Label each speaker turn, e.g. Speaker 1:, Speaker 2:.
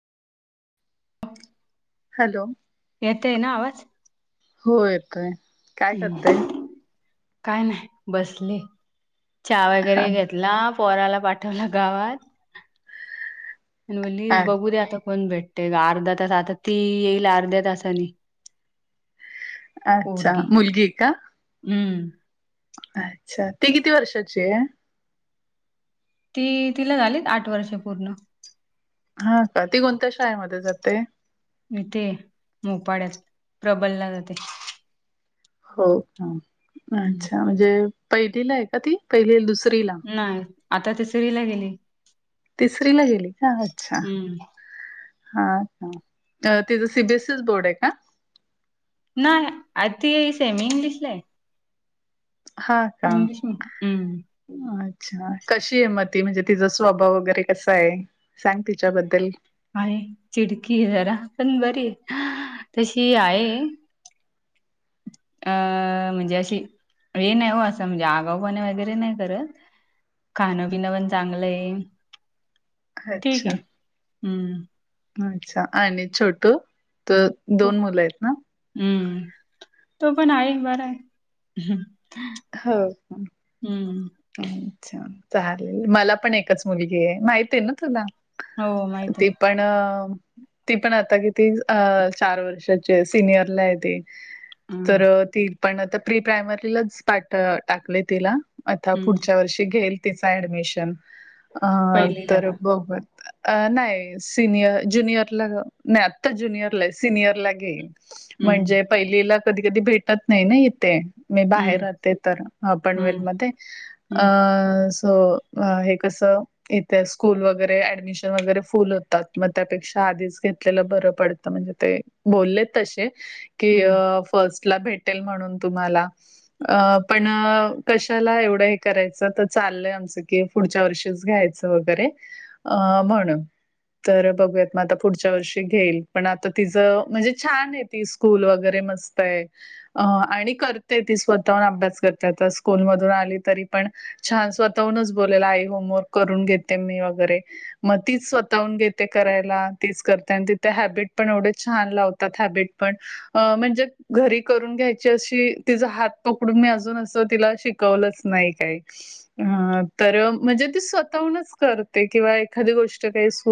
Speaker 1: Hello [unintelligible]
Speaker 2: येत आहे ना आवाज [unintelligible]
Speaker 1: हो येतय [unintelligible]
Speaker 2: हम् काय नाही बसली चहा
Speaker 1: हा
Speaker 2: वगैरे घेतला पोराला पाठवलं गावात [unintelligible] आणि म्हली
Speaker 1: अ-
Speaker 2: बघू दे आता कोण भेटते अर्धा तास आता ती येईल अर्ध्या तासानी [unintelligible]
Speaker 1: अच्छा
Speaker 2: पोरगी
Speaker 1: मुलगी का [unintelligible]
Speaker 2: हम्म [unintelligible]
Speaker 1: अच्छा तेी किती वर्षाची आहे [unintelligible]
Speaker 2: ती तिला झालीत आठ वर्ष पूर्ण [unintelligible]
Speaker 1: हा का ती कोणत्या शाळेमध्ये जाते [unintelligible]
Speaker 2: इथे मोपाळ्यात प्रबलला जाते [unintelligible]
Speaker 1: हो का
Speaker 2: हम्म
Speaker 1: अच्छा म्हणजे पहिलीला आहे का ती पहिली दुसरीला [unintelligible]
Speaker 2: नाही आता ते सरीला गेली [unintelligible]
Speaker 1: तिसरी ला गेली का अच्छा
Speaker 2: हम्म
Speaker 1: [unintelligible] हा्छा तिचं सीबीएसईस बोर्ड आहे का [unintelligible]
Speaker 2: नाही आत् सेमींग दिसले [unintelligible]
Speaker 1: हा का
Speaker 2: हम्म
Speaker 1: [unintelligible] अच्छा कशी आहे म त म्हणजे तिचा स्वभाव वगैरे कसा आहे [unintelligible] सांग तिच्याबद्दल [unintelligible]
Speaker 2: आहे चिडकी जरा पण बरी तशी आहे [unintelligible] अ म्हणजे अशी हे नाही हो असं म्हणजे आगापणे वगैरे नाही करत [unintelligible] खाणं पिणं पण चांगलं आहे [unintelligible] ठीक
Speaker 1: अच्छा
Speaker 2: आहे. हम्म
Speaker 1: अच्छा आणि छोटू त [unintelligible]
Speaker 2: तो
Speaker 1: दोन मुलं आहेत ना [unintelligible]
Speaker 2: हम्म तो पण आहे बर आहे [unintelligible]
Speaker 1: हो का [unintelligible]
Speaker 2: हम्म [unintelligible]
Speaker 1: अच्छा चाले मला पण एकच मुलगी आहे माहती आहे ना तुला [unintelligible]
Speaker 2: हो माहित
Speaker 1: ती
Speaker 2: आहे [unintelligible]
Speaker 1: पण ती पण आता किती चार वर्षाची सिनियरला आहे ती [unintelligible] तर ती पण आ प्री प्रायमरीलाच पाठ टाकले तिला [unintelligible] आता
Speaker 2: हम्म
Speaker 1: पुढच्या वर्षी घेईल तिचा ऍडमिशन अ
Speaker 2: पहिलीला
Speaker 1: तर
Speaker 2: का?
Speaker 1: बघत [unintelligible] अ नाही सिनियर ज्युनियरला नाही आत्ता ज्युनियरला सिनियर ला घेईन [unintelligible]
Speaker 2: हम्म
Speaker 1: म्हणजे पहिलीला कधी कधी भेटत नाही ना इथे [unintelligible] मी
Speaker 2: हम्म
Speaker 1: बाहेर राहते तर पनवेल
Speaker 2: हम्म
Speaker 1: मध्ये अ
Speaker 2: हम्म
Speaker 1: [unintelligible] स हे कसं [unintelligible] इथे स्कूल वगैरे ऍडमिशन वगैरे फुल होतात मग त्यापेक्षा आधीच घेतलेलं बरं पडत म्हणजे ते बोलले त [unintelligible] कि
Speaker 2: हम्म.
Speaker 1: फर्स्ट ला भेटेल म्हणून तुम्हाला पण कश [unintelligible] ला एवढ हे करायच तर चालय आमचं की पुढच्या वर्षीच घ्यायचं वगैर, अ म्हणून. तर बघूयात मग आता पुढच्या वर्षी घेईल पण आता तिचं म्हणजे छान आहे ती स्कूल वगैरे मस्त तय आणि करते ती स्वतः हुन अभ्यास करते आता स्कूलमधु ण आली तरी पण छान स्वतःहूनच बोलेल आई होमवर्क करून घेते मी वगैरे, मग तीच स्वतःहून घेते करायला तीच करते आणि तिथ हॅबिट पण एवढे छान लावत तथा हैबीट पण अ म्हणजे घरी करून घ्यायची अशी तिचा हात पकडून मी अजून असं तिला शिक कवलच नाही काही. ह तर म्हणजे ती स्वतःहूनच करते किंवा एखादी गोष्ट काही सु